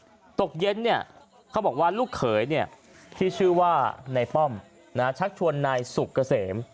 ปรบวกเย็นเขาบอกว่าลูกเคยเชื่อว่าในป้อมชกชวนนายสุกกษม